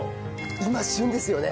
今旬ですよね？